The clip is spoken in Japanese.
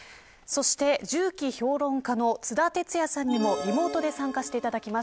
そして、銃器評論家の津田哲也さんにリモートで参加していただきます。